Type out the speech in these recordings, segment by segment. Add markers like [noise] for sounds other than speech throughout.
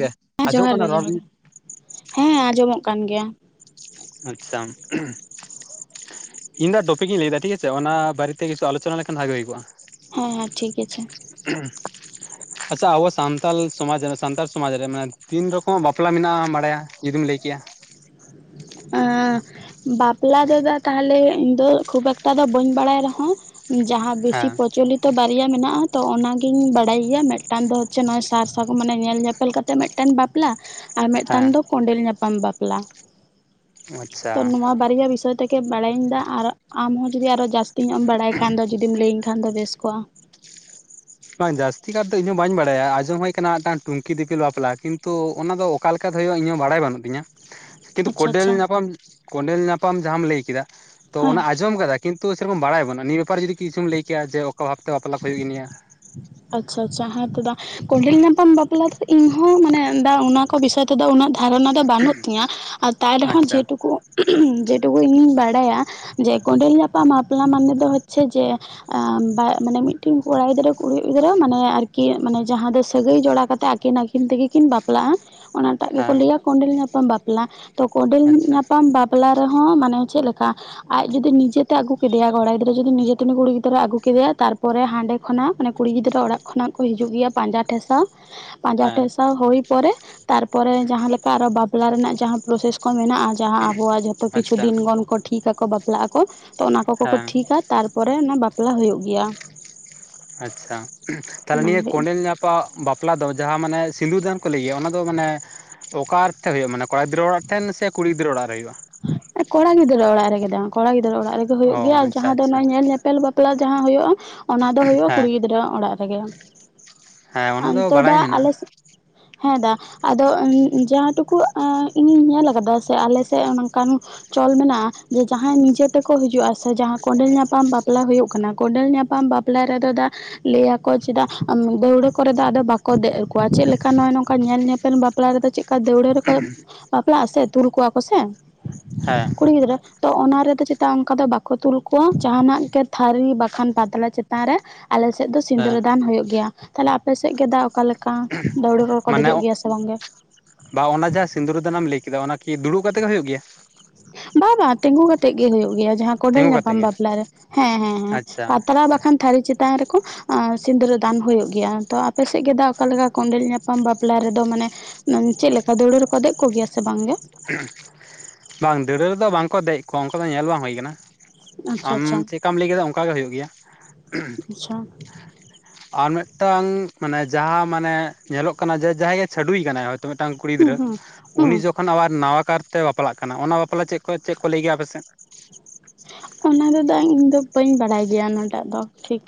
ᱜᱮ ᱦᱮᱸ ᱟᱸᱡᱚᱢᱚᱜ ᱡᱚᱦᱟᱨ ᱜᱮ ᱠᱟᱱᱟ ᱨᱚᱲ ᱡᱚᱦᱟᱨ ᱦᱮᱸ ᱟᱸᱡᱚᱢᱚᱜ ᱠᱟᱱ ᱜᱮᱭᱟ᱾ ᱟᱪᱷᱟ [unintelligible] ᱤᱧ ᱫᱚ ᱴᱚᱯᱤᱠ ᱤᱧ ᱞᱟᱹᱭᱫᱟ ᱴᱷᱤᱠ ᱟᱪᱷᱮ ᱚᱱᱟ ᱵᱟᱨᱮᱛᱮ ᱠᱤᱪᱷᱩ ᱟᱞᱳᱪᱚᱱᱟ ᱞᱮᱱᱠᱷᱟᱱ ᱵᱷᱟᱜᱮ ᱦᱩᱭ ᱠᱚᱜ-ᱟ ᱦᱮᱸ ᱦᱮᱸ ᱴᱷᱤᱠ ᱟᱪᱷᱟ [unintelligible] ᱟᱪᱷᱟ ᱟᱵᱚ ᱥᱟᱱᱛᱟᱞ ᱥᱚᱢᱟᱡᱽ ᱨᱮ ᱥᱟᱱᱛᱟᱲ ᱥᱚᱢᱟᱡᱽ ᱨᱮ ᱢᱟᱱᱮ ᱛᱤᱱ ᱨᱚᱠᱚᱢᱟᱜ ᱵᱟᱯᱞᱟ ᱢᱮᱱᱟᱜᱼᱟ ᱵᱟᱲᱟᱭ ᱡᱩᱫᱤᱢ ᱞᱟᱹᱭ ᱠᱮᱭᱟ᱾ [unintelligible] ᱵᱟᱯᱞᱟ ᱫᱟ ᱛᱟᱦᱞᱮ ᱤᱧ ᱫᱚ ᱠᱷᱩᱵ ᱮᱠᱴᱟ ᱫᱚ ᱵᱟᱹᱧ ᱵᱟᱲᱟᱭ ᱨᱮᱦᱚ ᱡᱟᱦᱟᱸ ᱵᱮᱥᱤ ᱦᱮᱸ ᱯᱨᱚᱪᱚᱞᱤᱛ ᱛᱚ ᱵᱟᱨᱭᱟ ᱢᱮᱱᱟᱜᱼᱟ ᱛᱚ ᱚᱱᱟᱜᱤᱧ ᱵᱟᱲᱟᱭ ᱜᱮᱭᱟ ᱢᱤᱫᱴᱟᱝ ᱫᱚ ᱦᱮᱪᱮ ᱱᱚᱜᱭ ᱥᱟᱨ ᱥᱟᱜᱩᱱ ᱢᱟᱱᱮ ᱧᱮᱞ ᱧᱮᱯᱮᱞ ᱠᱟᱛᱮ ᱢᱤᱫᱟᱝ ᱢᱤᱫᱴᱮᱱ ᱵᱟᱯᱞᱟ ᱟᱨ ᱢᱤᱫᱴᱟᱝ ᱦᱮᱸ ᱫᱚ ᱠᱚᱸᱰᱮᱞ ᱧᱟᱯᱟᱢ ᱵᱟᱯᱞᱟ᱾ ᱟᱪᱪᱷᱟ ᱛᱚ ᱱᱚᱣᱟ ᱵᱟᱨᱭᱟ ᱵᱤᱥᱚᱭ ᱛᱮᱜᱮ ᱵᱟᱲᱟᱭᱤᱧ ᱫᱟ ᱟᱨ ᱟᱢᱚ ᱡᱩᱚᱫᱤ ᱟᱨᱚ ᱡᱟᱥᱛᱤ ᱡᱟᱹᱥᱛᱤᱧᱜ ᱮᱢ ᱵᱟᱲᱟᱭ ᱠᱷᱟᱱ ᱫᱚ ᱡᱩᱫᱤᱢ ᱞᱟᱹᱭᱟᱹᱧ ᱠᱷᱟᱱ ᱫᱚ ᱵᱮᱥ ᱠᱚᱜᱼᱟ᱾ ᱵᱟᱝ ᱡᱟᱹᱥᱛᱤ ᱠᱟᱨ ᱫᱚ ᱤᱧ ᱦᱚᱸ ᱵᱟᱹᱧ ᱵᱟᱲᱟᱭᱟ ᱟᱸᱡᱚᱢ ᱦᱩᱭ ᱟᱠᱟᱱᱟ ᱢᱤᱫᱴᱟᱝ ᱴᱩᱝᱠᱤ ᱫᱤᱯᱤᱞ ᱵᱟᱯᱞᱟ ᱠᱤᱱᱛᱩ ᱚᱱᱟ ᱫᱚ ᱚᱠᱟ ᱞᱮᱠᱟ ᱛᱮ ᱦᱩᱭᱩᱜᱼᱟ ᱤᱧ ᱦᱚ ᱵᱟᱲᱟᱭ ᱵᱟᱱᱩᱜ ᱛᱤᱧᱟᱹ [unintelligible] ᱠᱤᱱᱛᱩ ᱠᱚᱸᱰᱮᱞ ᱟᱪᱪᱷᱟ ᱧᱟᱯᱟᱢ ᱠᱚᱸᱰᱮᱞ ᱧᱟᱯᱟᱢ ᱡᱟᱦᱟᱸᱟᱢ ᱞᱟᱹᱭ ᱠᱮᱫᱟ ᱛᱚ ᱦᱮᱸ ᱚᱱᱟ ᱟᱸᱡᱚᱢ ᱟᱠᱟᱫᱟ ᱠᱤᱱᱛᱩ ᱥᱮᱨᱚᱠᱚᱢ ᱵᱟᱲᱟᱭ ᱵᱟᱹᱱᱩᱼᱟ ᱱᱤᱭᱟᱹ ᱵᱮᱯᱟᱨ ᱛᱮ ᱠᱤᱪᱷᱩ ᱞᱟᱹᱭ ᱡᱮ ᱚᱠᱟ ᱵᱷᱟᱛᱮ ᱵᱟᱯᱞᱟ ᱦᱩᱭᱩᱜ ᱜᱮᱭᱟ ᱟᱪᱪᱷᱟ ᱟᱪᱪᱷᱟ ᱦᱮᱸᱛᱚ ᱫᱟ ᱠᱸᱰᱮᱞ ᱧᱟᱯᱟᱢ ᱵᱟᱯᱞᱟ ᱫᱚ ᱤᱧ ᱦᱚᱸ ᱢᱟᱱᱮ ᱫᱟ ᱚᱱᱟ ᱠᱚ ᱵᱤᱥᱚᱭ ᱛᱮᱫᱚ ᱩᱱᱟᱹᱜ ᱫᱷᱟᱨᱚᱱᱟ ᱫᱚ ᱵᱟᱹᱱᱩᱜ ᱛᱤᱧᱟᱹ ᱟᱨ ᱛᱟ ᱨᱮᱦᱚᱸ ᱟᱪᱪᱷᱟ ᱡᱮᱴᱩᱠᱩ [unintelligible] ᱡᱮ ᱴᱩᱠᱩ ᱤᱧ ᱵᱟᱲᱟᱭᱟ ᱡᱮ ᱠᱚᱸᱰᱮᱞ ᱡᱟᱯᱟᱜ ᱢᱟᱯᱞᱟ ᱢᱟᱱᱮ ᱫᱚ ᱦᱚᱪᱪᱷᱮ ᱡᱮ [unintelligible] ᱢᱟᱱᱮ ᱢᱤᱫᱴᱮᱱ ᱠᱚᱲᱟ ᱜᱤᱫᱽᱨᱟᱹ ᱠᱩᱲᱤ ᱜᱤᱫᱽᱨᱟᱹ ᱢᱟᱱᱮ ᱟᱨᱠᱤ ᱢᱟᱱᱮ ᱡᱟᱦᱟᱸ ᱫᱚ ᱥᱟᱹᱜᱟᱹᱭ ᱡᱚᱲᱟ ᱠᱟᱛᱮᱫ ᱟᱹᱠᱤᱱ ᱟᱹᱠᱤᱱ ᱛᱮᱜᱮ ᱠᱤᱱ ᱵᱟᱯᱞᱟᱜᱼᱟ ᱚᱱᱟᱴᱟᱜ ᱜᱮᱠᱚ ᱦᱮᱸ ᱞᱟᱹᱭᱟ ᱠᱚᱸᱰᱮᱞ ᱧᱟᱯᱟᱢ ᱵᱟᱯᱞᱟ ᱛᱚ ᱠᱚᱸᱰᱮᱞ ᱟᱪᱪᱷᱟ ᱧᱟᱯᱟᱢ ᱵᱟᱯ- ᱵᱟᱯᱞᱟ ᱨᱮᱦᱚᱸ ᱢᱟᱱᱮ ᱪᱮᱫ ᱞᱮᱠᱟ ᱟᱡ ᱡᱩᱫᱤ ᱱᱤᱡᱮᱛᱮ ᱟᱹᱜᱩ ᱠᱮᱫᱮᱭᱟ ᱠᱚᱲᱟ ᱜᱤᱫᱽᱨᱟᱹ ᱡᱩᱫᱤ ᱱᱤᱡᱮᱛᱮ ᱩᱱᱤ ᱠᱩᱲᱤ ᱜᱤᱫᱽᱨᱟᱹ ᱟᱹᱜᱩ ᱠᱮᱫᱮᱟᱭ ᱛᱟᱨ ᱞᱚᱨᱮ ᱦᱟᱸᱰᱮ ᱠᱷᱚᱱᱟᱜ ᱢᱟᱱᱮ ᱠᱩᱲᱤ ᱜᱤᱫᱽᱨᱟᱹ ᱚᱲᱟᱜ ᱠᱷᱚᱱᱟᱜ ᱠᱚ ᱦᱤᱡᱩᱜ ᱜᱮᱭᱟ ᱯᱟᱸᱡᱟ ᱴᱷᱮᱥᱟᱣ ᱯᱟᱸᱡᱟ ᱦᱮᱸ ᱴᱷᱮᱥᱟᱣ ᱦᱩᱭ ᱯᱚᱨᱮ ᱛᱟᱨᱯᱚᱨᱮ ᱡᱟᱦᱟᱸ ᱞᱮᱠᱟ ᱟᱨ ᱵᱟᱯᱞᱟ ᱨᱮᱱᱟᱜ ᱡᱟᱦᱟᱸ ᱯᱨᱚᱥᱮᱥ ᱠᱚ ᱢᱮᱱᱟᱜᱼᱟ ᱟᱨ ᱡᱟᱦᱟᱸ ᱟᱵᱚᱣᱟᱜ ᱡᱷᱚᱛᱚ ᱠᱤᱪᱷᱩ ᱟᱪᱪᱷᱟ ᱫᱤᱱᱜᱚᱱ ᱠᱚ ᱴᱷᱤᱠ ᱟᱠᱚ ᱵᱟᱯᱞᱟᱜ ᱟᱠᱚ ᱛᱚ ᱚᱱᱟ ᱠᱚᱠᱚ ᱠᱚ ᱦᱮᱸ ᱴᱷᱤᱠᱟ ᱛᱟᱨᱯᱚᱨᱮ ᱚᱱᱟ ᱵᱟᱯᱞᱟ ᱦᱩᱭᱩᱜ ᱜᱮᱭᱟ᱾ ᱟᱪᱷᱟ ᱛᱟᱦᱞᱮ ᱱᱤᱭᱟᱹ ᱚᱱᱟᱜᱮ ᱠᱚᱸᱰᱮᱞ ᱧᱟᱯᱟᱢ ᱵᱟᱯᱞᱟ ᱫᱚ ᱡᱟᱦᱟᱸ ᱢᱟᱱᱮ ᱥᱤᱸᱫᱩᱨ ᱫᱟᱱ ᱠᱚ ᱞᱟᱹᱭᱜᱮᱭᱟ ᱚᱱᱟ ᱫᱚ ᱢᱟᱱᱮ᱾ ᱚᱠᱟ ᱴᱮᱱ ᱦᱩᱭᱩᱜᱼᱟ ᱢᱟᱱ ᱠᱚᱲᱟ ᱜᱤᱫᱽᱨᱟᱹ ᱚᱲᱟᱜᱴᱷᱮᱱ ᱥᱮ ᱠᱩᱲᱤ ᱜᱤᱫᱽᱨᱟᱹ ᱚᱲᱟᱜ ᱨᱮ ᱦᱩᱭᱩᱜᱼᱟ ᱠᱚᱲᱟ ᱜᱤᱫᱽᱨᱟᱹ ᱚᱲᱟᱜ ᱨᱮᱜᱮ ᱫᱟ ᱠᱚᱲᱟ ᱜᱤᱫᱽᱨᱟᱹ ᱚᱲᱟᱜ ᱨᱮᱜᱮ ᱦᱩᱭᱩᱜ ᱜᱮᱭᱟ ᱚ ᱟᱨ ᱟᱪᱪᱷᱟ ᱡᱟᱦᱟᱸ ᱫᱚ ᱟᱪᱪᱷᱟ ᱧᱮᱞ ᱧᱮᱯᱮᱞ ᱧᱮᱯᱮᱞ ᱵᱟᱯᱞᱟ ᱡᱟᱸᱦᱳᱭᱳᱜᱼᱟ ᱚᱱᱟ ᱫᱚ ᱦᱩᱭᱩᱜᱼᱟ ᱠᱩᱲᱤ ᱦᱮᱸ ᱜᱤᱫᱽᱨᱟᱹ ᱟ ᱚᱲᱟᱜ ᱨᱮᱜᱮ ᱦᱮᱸ ᱚᱱᱟ ᱫᱚ ᱚᱱᱛᱮ ᱵᱟᱲᱟᱭ ᱫᱟ ᱟᱞᱮ ᱢᱮᱱᱟᱜᱼᱟ ᱦᱮᱸ ᱫᱟ ᱟᱫᱚ ᱡᱟᱦᱟᱸᱴᱩᱠᱩ ᱤᱧ ᱧᱮᱞ ᱟᱠᱟᱫᱟ ᱥᱮ ᱟᱞᱮᱥᱮᱫ ᱱᱚᱝᱠᱟᱱ ᱪᱚᱞ ᱢᱮᱱᱟᱜᱼᱟ ᱡᱮ ᱡᱟᱦᱟᱸᱭ ᱱᱤᱡᱮ ᱛᱮᱠᱚ ᱦᱤᱡᱩᱜᱼᱟ, ᱥᱮ ᱡᱟᱦᱟᱸ ᱠᱚᱸᱰᱮᱞ ᱧᱟᱯᱟᱢ ᱵᱟᱯᱞᱟ ᱦᱩᱭᱩᱜ ᱠᱟᱱᱟ᱾ ᱠᱚᱸᱰᱮᱞ ᱧᱟᱯᱟᱢ ᱵᱟᱯᱞᱟ ᱵᱟᱯᱞᱟ ᱨᱮ ᱫᱚ ᱫᱟ ᱞᱟᱹᱭᱟᱠᱚ ᱪᱮᱫᱟ ᱫᱟᱹᱣᱲᱟᱹ ᱠᱚᱨᱮ ᱫᱚ ᱟᱫᱚ ᱵᱟᱠᱚ ᱫᱮᱜ ᱠᱚᱣᱟ ᱪᱮᱫ ᱞᱮᱠᱟ ᱱᱚᱜᱼᱚᱭ ᱱᱚᱝᱠᱟ ᱧᱮᱞ ᱧᱮᱯᱮᱞ ᱵᱟᱯ ᱵᱟᱯᱞᱟ ᱨᱮᱫᱚ ᱪᱮᱠᱟ ᱫᱟᱹᱣᱲᱟᱹ ᱨᱮᱠᱚ ᱵᱟᱯᱞᱟᱜ ᱟᱥᱮ ᱛᱩᱞ ᱠᱚᱣᱟ ᱠᱚ ᱥᱮ ᱦᱮᱸ ᱠᱩᱲᱤ ᱜᱤᱫᱽᱨᱟᱹ ᱛᱚ ᱚᱱᱟ ᱨᱮᱫᱚ ᱪᱮᱛᱟᱜ ᱚᱱᱠᱟ ᱫᱚ ᱵᱟᱠᱚ ᱛᱩᱞ ᱠᱚᱣᱟ ᱡᱟᱦᱟᱱᱟᱜ ᱜᱮ ᱛᱷᱟᱹᱨᱤ ᱵᱟᱠᱷᱟᱱ ᱯᱟᱛᱲᱟ ᱪᱮᱛᱟᱱ ᱨᱮ ᱟᱞᱮᱥᱮᱫ ᱫᱚ ᱦᱮᱸ ᱥᱤᱸᱫᱽᱨᱟᱹ ᱫᱟᱱ ᱦᱩᱭᱩᱜᱭ ᱜᱮᱭᱟ᱾ ᱛᱟᱦᱞᱮ ᱟᱯᱮ ᱥ ᱜᱮ ᱫᱟ ᱚᱠᱟ ᱞᱮᱠᱟ᱾ ᱠᱟ ᱫᱟᱹᱣᱲᱩ ᱨᱮᱠᱚ ᱢᱟᱱᱮ ᱫᱮᱡᱚᱜ ᱜᱮᱭᱟ ᱥᱮ ᱵᱟᱝᱜᱮ᱾ ᱵᱟ ᱚᱱᱟ ᱡᱟᱦᱟᱸ ᱥᱤᱸᱫᱩᱨ ᱫᱟᱱᱮᱢ ᱞᱟᱹᱭ ᱠᱮᱫᱟ ᱚᱱᱟ ᱠᱤ ᱫᱩᱲᱩᱵ ᱠᱟᱛᱮ ᱜᱮ ᱦᱳᱭᱳᱜ ᱜᱮᱭᱟ᱾ ᱵᱟᱝ ᱵᱟᱝ ᱛᱤᱸᱜᱩ ᱠᱟᱛᱮᱜ ᱜᱮ ᱦᱩᱭᱩᱜ ᱜᱮᱭᱟ ᱡᱟᱦᱟᱸ ᱠᱚᱰᱮᱞ ᱛᱤᱸᱜᱩ ᱠᱟᱛᱮ ᱧᱟᱯᱟᱢ ᱜᱮ ᱵᱟᱯᱞᱟ ᱨᱮ ᱦᱮᱸ ᱦᱮᱸ ᱦᱮᱸ ᱟᱪᱪᱷᱟ ᱯᱟᱛᱲᱟ ᱵᱟᱠᱷᱟᱱ ᱛᱷᱟᱹᱨᱤ ᱪᱮᱛᱟᱱ ᱨᱮᱠᱚ ᱥᱤᱸᱫᱽᱨᱟᱹ ᱫᱟᱱ ᱦᱩᱭᱩᱜ ᱜᱮᱭᱟ ᱛᱚ ᱟᱯᱮ ᱥᱮᱫ ᱜᱮ ᱫᱟ ᱚᱠᱟᱞᱮᱠᱟ ᱠᱚᱸᱰᱮᱞ ᱧᱟᱯᱟᱢ ᱵᱟᱯᱞᱟ ᱨᱮᱫᱚ ᱢᱟᱱᱮ ᱪᱮᱫ ᱞᱮᱠᱟ ᱫᱟᱹᱣᱲᱟᱹ ᱨᱮᱠᱚ ᱫᱮᱡ ᱠᱚ ᱜᱮᱭᱟ ᱥᱮ ᱵᱟᱝᱜᱮ‌ ᱵᱟᱝ ᱫᱟᱹᱲᱟᱹ ᱨᱮᱫᱚ ᱵᱟᱝᱠᱚ ᱫᱮᱡ ᱠᱚ ᱟᱱᱠᱟ ᱫᱚ ᱵᱟᱝ ᱧᱮᱞ ᱦᱩᱭᱠᱟᱱᱟ ᱟᱪᱪᱷᱟ ᱟᱢ ᱟᱪᱪᱷᱟ ᱪᱮᱫᱠᱟᱢ ᱞᱟᱹᱭ ᱠᱮᱫᱟ ᱚᱱᱠᱟ ᱜᱮ ᱦᱩᱭᱩᱜ ᱜᱮᱭᱟ [inaudible] ᱟᱪᱪᱷᱟ ᱟᱨ ᱢᱤᱫᱴᱟᱝ ᱢᱟᱱᱮ ᱡᱟᱦᱟᱸ ᱢᱟᱱᱮ ᱧᱮᱞᱚᱜ ᱠᱟᱱᱟ ᱡᱮ ᱡᱟᱦᱟᱸᱭ ᱜᱮ ᱪᱟᱹᱰᱩᱭ ᱠᱟᱱᱟᱭ [unintelligible] ᱛᱚ ᱢᱤᱫᱴᱟᱝ ᱠᱩᱲᱤ ᱦᱩᱸ ᱜᱤᱫᱽᱨᱟᱹ ᱦᱩᱸ ᱩᱱᱤ ᱦᱩᱸ ᱡᱚ ᱚᱱᱟ ᱟᱵᱟᱨ ᱱᱟᱣᱟ ᱠᱟᱛᱮ ᱵᱟᱯᱞᱟᱜ ᱠᱟᱱᱟ ᱚᱱᱟ ᱵᱟᱯᱞᱟ ᱪᱮᱫ ᱠᱚ ᱪᱮᱫ ᱠᱚ ᱞᱟᱹᱭ ᱜᱮᱭᱟ ᱟᱯᱮ ᱥᱮᱫ ᱚᱱᱟ ᱫᱚ ᱫᱟ ᱤᱧ ᱫᱚ ᱵᱟᱹᱧ ᱵᱟᱰᱟᱭ ᱜᱮᱭᱟ ᱚᱱᱟᱴᱟᱜ ᱫᱚ ᱴᱷᱤᱠ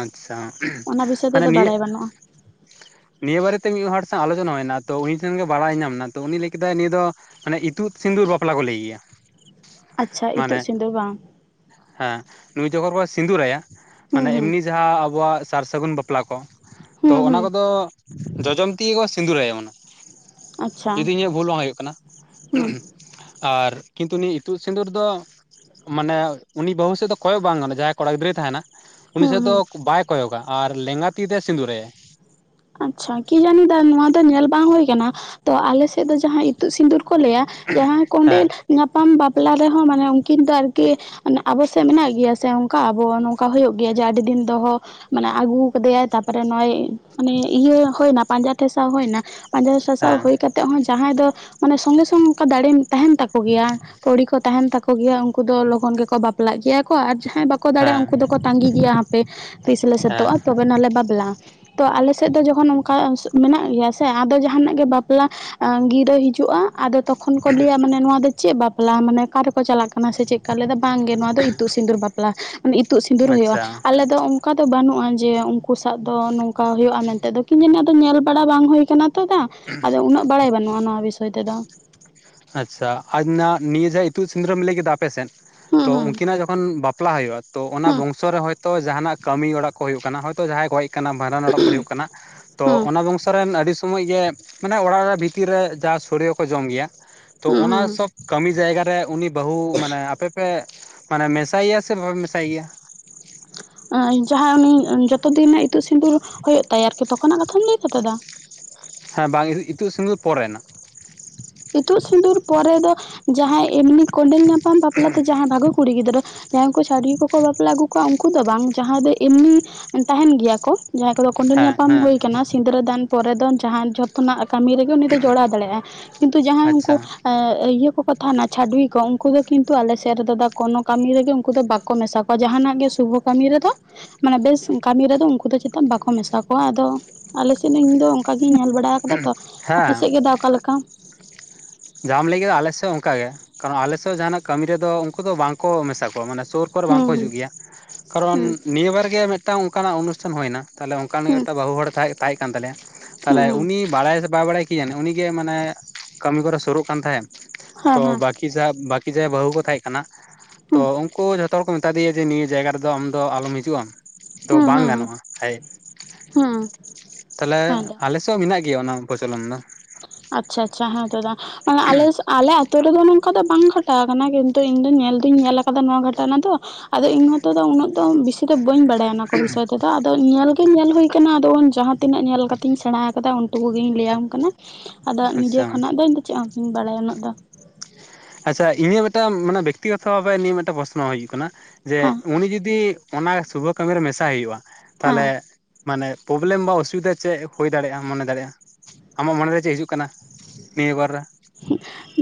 ᱟᱪ ᱪᱷᱟ ᱚᱱᱟ ᱵᱤᱥᱚᱭ ᱢᱟᱱᱮ ᱛᱮᱫᱚ ᱱᱤᱭᱟᱹ ᱵᱟᱲᱟᱭ ᱵᱟᱹᱱᱩᱜᱼᱟ ᱱᱤᱭᱟᱹ ᱵᱟᱨᱮᱛᱮ ᱢᱤᱫ ᱦᱚᱲ ᱥᱟᱶ ᱟᱞᱚᱪᱚᱱᱟ ᱦᱩᱭᱱᱟ ᱛᱚ ᱩᱱᱤ ᱴᱷᱮᱱ ᱜᱮ ᱵᱟᱲᱟᱭ ᱧᱟᱢ ᱮᱱᱟ ᱛᱚ ᱩᱱᱤ ᱞᱟᱹᱭ ᱠᱮᱫᱟᱭ ᱱᱤᱭᱟᱹ ᱫᱚ ᱢᱟᱱᱮ ᱤᱛᱩᱫ ᱥᱤᱸᱫᱩᱨ ᱵᱟᱯᱞᱟ ᱠᱚ ᱞᱟᱹᱭ ᱜᱮᱭᱟ ᱾ ᱟᱪ ᱪᱷᱟ ᱤᱛᱩᱜ ᱥᱤᱸᱫᱩᱨ ᱵᱟᱝ ᱦᱮᱸ ᱱᱩᱭ ᱡᱚᱠᱷᱚᱱ ᱠᱚ ᱥᱤᱸᱫᱩᱨ ᱟᱭᱟ ᱦᱩᱸ ᱢᱟᱱᱮ ᱦᱩᱸ ᱮᱢᱱᱤ ᱡᱟᱦᱟᱸ ᱟᱵᱚᱣᱟᱜ ᱥᱟᱨ ᱥᱟᱹᱜᱩᱱ ᱵᱟᱯᱞᱟ ᱠᱚ ᱛᱚ ᱦᱩᱸ ᱚᱱᱟ ᱦᱩᱸ ᱠᱚᱫᱚ ᱡᱚᱡᱚᱢ ᱛᱮᱜᱮ ᱠᱚ ᱥᱤᱸᱫᱩᱨ ᱟᱭᱟ ᱚᱱᱟ ᱾ ᱟᱪᱪᱷᱟ ᱡᱩᱫᱤ ᱤᱧᱟᱹᱜ ᱵᱷᱩᱞ ᱵᱟᱝ ᱦᱩᱭᱩᱜ ᱠᱟᱱᱟ ᱦᱩᱸ ᱟᱨ ᱠᱤᱱᱛᱩ ᱱᱤ ᱤᱛᱩᱫ ᱥᱤᱸᱫᱩᱨ ᱫᱚ ᱢᱟᱱᱮ ᱩᱱᱤ ᱵᱚᱝᱥᱚ ᱠᱚᱭᱚᱜ ᱵᱟᱝ ᱜᱟᱱᱚᱜᱼᱟ ᱡᱟᱦᱟᱸᱭ ᱠᱚᱲᱟ ᱜᱤᱫᱽᱨᱟᱹᱭ ᱛᱟᱦᱮᱱᱟ ᱩᱱᱤ ᱦᱩᱸ ᱥᱮᱫ ᱫᱚ ᱦᱩᱸ ᱵᱟᱭ ᱠᱚᱭᱚᱜᱟ ᱟᱨ ᱞᱮᱸᱜᱟ ᱛᱤᱛᱮ ᱥᱤᱸᱫᱩᱨᱟᱭᱟᱭ ᱾ ᱟᱪ ᱪᱷᱟ ᱠᱤ ᱡᱟᱹᱱᱤ ᱫᱟ ᱱᱚᱣᱟ ᱫᱚ ᱧᱮᱞ ᱵᱟᱝ ᱦᱩᱭ ᱠᱟᱱᱟ ᱛᱚ ᱟᱞᱮ ᱥᱮᱫ ᱫᱚ ᱡᱟᱦᱟᱸᱭ ᱤᱛᱩᱜ ᱥᱤᱸᱫᱩᱨ ᱠᱚ ᱞᱟᱹᱭᱟ ᱡᱟᱦᱟᱸᱭ ᱦᱮᱸ ᱠᱚᱸᱰᱮᱞ ᱧᱟᱯᱟᱢ ᱵᱟᱯᱞᱟ ᱨᱮᱦᱚᱸ ᱢᱟᱱᱮ ᱩᱱᱠᱤᱱ ᱫᱚ ᱟᱨᱠᱤ ᱢᱟᱱᱮ ᱟᱵᱚ ᱥᱮ ᱢᱮᱱᱟᱜ ᱜᱮᱭᱟ ᱥᱮ ᱚᱱᱠᱟ ᱟᱵᱚ ᱱᱚᱝᱠᱟ ᱦᱩᱭᱩᱜ ᱜᱮᱭᱟ ᱡᱮ ᱟᱹᱰᱤ ᱫᱤᱱ ᱫᱚᱦᱚ ᱢᱟᱱᱮ ᱟᱹᱜᱩ ᱟᱠᱟᱫ ᱫᱮᱭᱟᱭ ᱛᱟᱨᱯᱚᱨᱮ ᱱᱚᱜᱼᱚᱭ ᱢᱟᱱᱮ ᱤᱭᱟᱹ ᱦᱩᱭᱱᱟ ᱯᱟᱸᱡᱟ ᱴᱷᱟᱥᱟᱣ ᱦᱩᱭᱱᱟ ᱯᱟᱸᱡᱟ ᱴᱷᱟᱥᱟᱣ ᱦᱮᱸ ᱦᱩᱭ ᱠᱟᱛᱮ ᱦᱚᱸ ᱡᱟᱦᱟᱸᱭ ᱫᱚ ᱢᱟᱱᱮ ᱥᱚᱸᱜᱮ ᱥᱚᱝ ᱚᱱᱠᱟ ᱫᱟᱹᱲᱮᱱ ᱛᱟᱦᱮᱱ ᱛᱟᱠᱚ ᱜᱮᱭᱟ ᱠᱩᱲᱤ ᱠᱚ ᱛᱟᱦᱮᱱ ᱛᱟᱠᱚ ᱜᱮᱭᱟ ᱩᱱᱠᱩ ᱫᱚ ᱞᱚᱜᱚᱱ ᱜᱮᱠᱚ ᱵᱟᱯᱞᱟᱜ ᱜᱮᱭᱟ ᱾ ᱟᱨ ᱡᱟᱦᱟᱸᱭ ᱵᱟᱠᱚ ᱫᱟᱲᱮᱭᱟᱜ ᱦᱮᱸ ᱩᱱᱠᱩ ᱫᱚᱠᱚ ᱛᱟᱸᱹᱜᱤ ᱜᱮᱭᱟ ᱦᱟᱯᱮ ᱛᱤᱥ ᱞᱮ ᱦᱮᱸ ᱥᱟᱛᱚᱜᱼᱟ ᱛᱚᱵᱮ ᱱᱟᱜ ᱞᱮ ᱵᱟᱵᱞᱟᱜᱼᱟ ᱾ ᱛᱚ ᱟᱞᱮ ᱥᱮᱫ ᱫᱚ ᱡᱚᱠᱷᱚᱱ ᱚᱱᱠᱟ ᱢᱮᱱᱟᱜ ᱜᱮᱭᱟ ᱥᱮ ᱟᱫᱚ ᱡᱟᱦᱟᱱᱟᱜ ᱜᱮ ᱵᱟᱯᱞᱟ ᱜᱤᱨᱟᱹ ᱦᱤᱡᱩᱜᱼᱟ ᱟᱫᱚ ᱛᱚᱠᱷᱚᱱ ᱠᱚ ᱞᱟᱹᱭᱟ ᱢᱟᱱᱮ ᱱᱚᱣᱟ ᱫᱚ ᱪᱮᱫ ᱵᱟᱯᱞᱟ ᱢᱟᱱᱮ ᱚᱠᱟᱨᱮ ᱪᱟᱞᱟᱜ ᱠᱟᱱᱟ ᱥᱮ ᱪᱮᱫᱠᱟ ᱞᱮᱫᱟ ᱵᱟᱝᱜᱮ ᱱᱚᱣᱟ ᱫᱚ ᱤᱛᱩᱜ ᱥᱤᱸᱫᱩᱨ ᱵᱟᱯᱞᱟ ᱢᱟᱱᱮ ᱤᱛᱩᱜ ᱥᱤᱸᱫᱩᱨ ᱦᱩᱭᱩᱜᱼᱟ ᱟᱪᱪᱷᱟ ᱟᱞᱮ ᱫᱚ ᱚᱱᱠᱟ ᱫᱚ ᱵᱟᱹᱱᱩᱜᱼᱟ ᱡᱮ ᱩᱱᱠᱩ ᱥᱟᱜ ᱫᱚ ᱱᱚᱝ ᱚᱱᱠᱟ ᱦᱩᱭᱩᱜᱼᱟ ᱢᱮᱱ ᱛᱮ ᱫᱚ ᱠᱤᱡ ᱧᱮᱞ ᱵᱟᱲᱟ ᱵᱟᱝ ᱦᱩᱭ ᱟᱠᱟᱱᱟ ᱛᱚ ᱫᱟ ᱩᱱᱟᱹᱜ ᱵᱟᱲᱟᱭ ᱵᱟᱹᱱᱩᱜᱼᱟ ᱱᱚᱣᱟ ᱵᱤᱥ ᱠᱷᱟᱹᱭ ᱛᱮ ᱫᱚ ᱟᱪ ᱪᱷᱟ ᱟᱨ ᱱᱟ ᱱᱤᱭᱟᱹ ᱡᱟᱦᱟᱸ ᱤᱛᱩᱫ ᱥᱤᱸᱫᱩᱨ ᱨᱮᱢ ᱞᱟᱹᱭ ᱠᱮᱫᱟ ᱟᱯᱮ ᱥᱮᱱ ᱛᱚ ᱦᱩᱸ ᱩᱱᱠᱤᱱᱟᱜ ᱡᱚᱠᱷ ᱚᱠᱷᱚᱱ ᱵᱟᱯᱞᱟ ᱦᱩᱭᱩᱜᱼᱟ ᱛᱚ ᱚᱱᱟ ᱦᱩᱸ ᱵᱚᱝᱥᱚ ᱨᱮ ᱦᱚᱭᱛᱚ ᱡᱟᱦᱟᱱᱟᱜ ᱠᱟᱹᱢᱤ ᱚᱲᱟᱜ ᱠᱚ ᱦᱩᱭᱩᱜ ᱠᱟᱱᱟ ᱦᱚᱭᱛᱚ ᱡᱟᱦᱟᱸᱭ ᱜᱚᱡ ᱦᱩᱭᱩᱜ ᱠᱟᱱᱟ ᱵᱷᱟᱸᱰᱟᱱ ᱚᱲᱟᱜ ᱠᱚ ᱦᱩᱭᱩᱜ ᱠᱟᱱᱟ ᱛᱚ ᱦᱩᱸ ᱚᱱᱟ ᱵᱚᱝᱥᱚ ᱨᱮᱱ ᱟᱹᱰᱤ ᱥᱚᱢᱚᱭ ᱜᱮ ᱢᱟᱱᱮ ᱚᱲᱟᱜ ᱵᱷᱤᱛᱤᱨ ᱨᱮ ᱡᱟ ᱥᱚᱲᱤᱭᱚ ᱠᱚ ᱡᱚᱢ ᱜᱮᱭᱟ ᱛᱚ ᱦᱩᱸ ᱚᱱᱟ ᱦᱩᱸ ᱥᱚᱵ ᱠᱟᱹᱢᱤ ᱡᱟᱭᱜᱟ ᱨᱮ ᱩᱱᱤ ᱵᱟᱹᱦᱩ ᱢᱟᱱᱮ ᱟᱯᱮ ᱯᱮ ᱢᱟᱱᱮ ᱢᱮᱥᱟᱭᱟ ᱥᱮ ᱵᱟᱯᱮ ᱢᱮᱥᱟᱭᱮ ᱜᱮᱭᱟ ᱡᱟᱦᱟᱸᱭ ᱩᱱᱤ ᱡᱚᱛᱚ ᱫᱤᱱ ᱱᱟᱜ ᱤᱛᱩᱜ ᱥᱤᱸᱫᱩᱨ ᱦᱩᱭᱩᱜ ᱛᱟᱭᱟ ᱟᱨᱠᱤ ᱛᱚᱠᱷᱚᱱᱟᱜ ᱠᱟᱛᱷᱟᱢ ᱞᱟᱹᱭ ᱫᱟ ᱛᱚ? ᱫᱟ ᱦᱮᱸ ᱵᱟᱝ ᱤᱛᱩᱫ ᱥᱤᱸᱜᱩᱨ ᱯᱚᱨᱮᱱᱟ ᱤᱛᱩᱫ ᱥᱤᱸᱫᱩᱨ ᱯᱚᱨᱮ ᱫᱚ ᱡᱟᱦᱟᱸᱭ ᱮᱢᱱᱤ ᱠᱚᱸᱰᱮᱞ ᱧᱟᱯᱟᱢ ᱵᱟᱯᱞᱟ ᱛᱮ ᱡᱟᱦᱟᱸᱭ ᱵᱷᱟᱜᱤ ᱠᱩᱲᱤ ᱜᱤᱫᱽᱨᱟᱹ ᱡᱟᱦᱟᱸᱭ ᱠᱚ ᱪᱷᱟᱹᱰᱩᱭ ᱠᱚᱠᱚ ᱵᱟᱯᱞᱟ ᱟᱹᱜᱩ ᱠᱚᱣᱟ ᱩᱱᱠᱩ ᱫᱚ ᱵᱟᱝ ᱡᱟᱦᱟᱸᱭ ᱫᱚ ᱮᱢᱱᱤ ᱛᱟᱦᱮᱱ ᱜᱮᱭᱟ ᱠᱚ ᱡᱟᱦᱟᱸᱭ ᱠᱚᱫᱚ ᱠᱚᱸᱰᱮᱞ ᱦᱮᱸ ᱧᱟᱯᱟᱢ ᱦᱮᱸ ᱦᱩᱭ ᱟᱠᱟᱱᱟ ᱥᱤᱸᱫᱽᱨᱟᱹᱫᱟᱱ ᱯᱚᱨᱮ ᱫᱚ ᱡᱟᱦᱟᱸ ᱡᱚᱛᱚᱱᱟᱜ ᱠᱟᱹᱢᱤ ᱨᱮᱜᱮ ᱩᱱᱤ ᱫᱚ ᱡᱚᱲᱟᱣ ᱫᱟᱲᱮᱭᱟᱜᱼᱟ ᱠᱤᱱᱛᱩ ᱡᱟᱦᱟᱸᱭ ᱟᱪᱪᱷᱟ ᱩᱱᱠᱩ ᱤᱭᱟᱹ ᱠᱚᱠᱚ ᱛᱟᱦᱮᱱᱟ ᱪᱷᱟᱹᱰᱩᱭᱤ ᱠᱚ ᱩᱱᱠᱩ ᱫᱚ ᱠᱤᱱᱛᱩ ᱟᱞᱮ ᱥᱮᱫ ᱨᱮᱫᱚ ᱫᱟ ᱠᱚᱱᱳ ᱠᱟᱹᱢᱤ ᱨᱮᱜᱮ ᱩᱱᱠᱩ ᱫᱚ ᱵᱟᱠᱚ ᱢᱮᱥᱟ ᱠᱚ ᱡᱟᱦᱟᱱᱟᱜ ᱜᱮ ᱥᱩᱵᱷᱚ ᱠᱟᱹᱢᱤ ᱨᱮᱫᱚ ᱢᱟᱱᱮ ᱵᱮᱥ ᱠᱟᱹᱢᱤ ᱨᱮᱫᱚ ᱩᱱᱠᱩ ᱫᱚ ᱪᱮᱫᱟ ᱵᱟᱠᱚ ᱢᱮᱥᱟ ᱠᱚᱣᱟ ᱟᱫᱚ ᱟᱞᱮ ᱥᱮᱱ ᱨᱤᱱ ᱞᱤᱧ ᱫᱚ ᱚᱱᱠᱟ ᱜᱤᱧ ᱧᱮᱞ ᱵᱟᱲᱟ ᱟᱠᱟᱫᱟ ᱛᱚ ᱟᱯᱮ ᱥᱮᱫ ᱜᱮ ᱫᱟ ᱚᱠᱟ ᱞᱮᱠᱟ ᱡᱟᱦᱟᱢ ᱞᱟᱹᱭ ᱠᱮᱫᱟ ᱟᱞᱮ ᱥᱮᱫ ᱜᱮ ᱚᱱᱠᱟ ᱜᱮ ᱾ ᱠᱟᱨᱚᱱ ᱟᱞᱮ ᱥᱮᱫ ᱡᱟᱦᱟᱱᱟᱜ ᱠᱟᱹᱢᱤ ᱨᱮᱫᱚ ᱩᱱᱠᱩ ᱫᱚ ᱵᱟᱝ ᱠᱚ ᱢᱮᱥᱟ ᱠᱚᱣᱟ ᱢᱟᱱᱮ ᱥᱩᱨ ᱠᱚ ᱟᱨ ᱦᱩᱸ ᱵᱟᱝᱠᱚ ᱦᱩᱸ ᱦᱤᱡᱩᱜ ᱜᱮᱭᱟ ᱠᱟᱨᱚᱱ ᱦᱩᱸ ᱱᱤᱭᱟᱹ ᱵᱟᱨ ᱜᱮ ᱢᱤᱫᱴᱟᱝ ᱚᱱᱠᱟᱱᱟᱜ ᱚᱱᱩᱥᱴᱷᱟᱱ ᱦᱩᱭᱱᱟ ᱛᱟᱦᱚᱞᱮ ᱚᱱᱠᱟᱱ ᱦᱩᱸ ᱢᱤᱫᱴᱮᱱ ᱵᱟᱹᱦᱩ ᱦᱚᱲ ᱮ ᱛᱟᱦᱮᱸ ᱛᱟᱦᱮ ᱠᱟᱱ ᱛᱟᱞᱮᱭᱟ ᱦᱩᱸ ᱛᱟᱦᱚᱞᱮ ᱦᱩᱸ ᱩᱱᱤ ᱵᱟᱲᱟᱭ ᱵᱟᱭ ᱵᱟᱲᱟᱭ ᱠᱮᱭᱟ ᱩᱱᱤ ᱜᱮ ᱢᱟᱱᱮ ᱠᱟᱹᱢᱤ ᱠᱚᱨᱮ ᱥᱩᱨᱩᱜ ᱠᱟᱱ ᱛᱟᱦᱮᱱ ᱦᱮᱸ ᱛᱚ ᱦᱮᱸ ᱵᱟᱠᱤ [inaudible] ᱵᱟᱠᱤ ᱡᱟᱸᱦᱟᱭ ᱵᱟᱹᱦᱩ ᱠᱚ ᱛᱟᱦᱮᱸ ᱠᱟᱱᱟ ᱛᱚ ᱦᱩᱸ ᱩᱝᱠᱩ ᱡᱷᱚᱛᱚ ᱛᱚ ᱠᱚ ᱢᱮᱛᱟ ᱫᱮᱭᱟ ᱡᱮ ᱱᱤᱭᱟᱹ ᱡᱟᱭᱜᱟ ᱨᱮᱫᱚ ᱟᱢ ᱫᱚ ᱟᱞᱚᱢ ᱦᱤᱡᱩᱜ-ᱟ ᱫᱚ ᱦᱩᱸ ᱵᱟᱝ ᱦᱩᱸ ᱦᱩᱸ ᱜᱟᱱᱚᱜᱼᱟ ᱦᱮᱡ ᱦᱩᱸ ᱛᱟᱞᱦᱮ ᱦᱮᱸ ᱫᱟ ᱟᱞᱮ ᱥᱮ ᱛᱚ ᱢᱮᱱᱟᱜ ᱜᱮᱭᱟ ᱚᱱᱟ ᱯᱚᱪᱚᱞᱚᱱ ᱫᱚ ᱟᱪᱪᱷᱟ ᱟᱪᱪᱷᱟ ᱦᱮᱸ ᱛᱚ ᱫᱟ ᱢᱟᱱᱮ ᱟᱞᱮ ᱥᱮ ᱟᱞᱮ ᱟᱹᱛᱳ ᱨᱮᱫᱚ ᱱᱚᱝᱠᱟ ᱫᱚ ᱵᱟᱝ ᱜᱷᱚᱴᱟᱣ ᱠᱟᱱᱟ ᱠᱤᱱᱛᱩ ᱤᱧ ᱫᱩᱧ ᱧᱮᱞ ᱫᱩᱧ ᱧᱮᱞ ᱠᱟᱫᱟ ᱱᱚᱣᱟ ᱜᱷᱚᱴᱚᱱᱟ ᱫᱚ ᱟᱫᱚ ᱤᱧ ᱦᱚᱸᱛᱚ ᱫᱚ ᱩᱱᱟᱹᱜ ᱫᱚ ᱵᱤᱥᱤ ᱫᱚ ᱵᱟᱹᱧ ᱵᱟᱲᱟᱭᱟ ᱚᱱᱟ ᱠᱚ ᱵᱤᱥᱚᱭ ᱛᱮᱫᱚ ᱛᱚ ᱟᱫᱚ ᱧᱮᱞ ᱜᱤᱧ ᱧᱮᱞ ᱦᱩᱭ ᱠᱟᱱᱟ ᱟᱫᱚ ᱩᱱ ᱡᱟᱦᱟᱸ ᱛᱤᱱᱟᱹᱜ ᱧᱮᱞ ᱠᱟᱛᱤᱧ ᱥᱮᱬᱟ ᱠᱟᱫᱟ ᱩᱱ ᱴᱩᱠᱩ ᱜᱤᱧ ᱞᱟᱹᱭᱟᱢ ᱠᱟᱱᱟ ᱟᱫᱚ ᱱᱤᱡᱮ ᱟᱪᱪᱷᱟ ᱠᱷᱚᱱᱟᱜ ᱫᱚ ᱤᱧ ᱫᱚ ᱪᱮᱫ ᱦᱚᱸ ᱵᱟᱹᱧ ᱵᱟᱲᱟᱭᱟ ᱩᱱᱟᱹᱜ ᱫᱚ ᱟᱪᱪᱷᱟ ᱤᱧᱟᱹᱜ ᱢᱤᱫᱴᱟᱝ ᱢᱟᱱᱮ ᱵᱮᱠᱛᱤᱜᱚᱛᱚ ᱵᱷᱟᱵᱮ ᱱᱤᱭᱟᱹ ᱢᱤᱫᱴᱟᱝ ᱯᱚᱥᱱᱚ ᱦᱩᱭᱩᱜ ᱠᱟᱱᱟ ᱡᱮ ᱦᱮᱸ ᱩᱱᱤ ᱡᱩᱫᱤ ᱚᱱᱟ ᱥᱩᱵᱟᱹ ᱠᱟᱹᱢᱤ ᱨᱮ ᱢᱮᱥᱟᱭ ᱦᱩᱭᱩᱜᱼᱟ ᱦᱮᱸ ᱛᱟᱦᱞᱮ ᱢᱟᱱᱮ ᱯᱚᱵᱞᱮᱢ ᱵᱟ ᱚᱥᱩᱵᱤᱫᱟ ᱪᱮᱫ ᱦᱩᱭ ᱫᱟᱲᱮᱭᱟᱜᱼᱟ ᱢᱚᱱᱮ ᱫᱟᱲᱮᱭᱟᱜᱼᱟ ᱟᱢᱟᱜ ᱢᱚᱱᱮ ᱨᱮ ᱪᱮᱫ ᱦᱤᱡᱩᱜ ᱠᱟᱱᱟ ᱱᱤᱭᱟᱹ ᱵᱟᱨ ᱨᱮ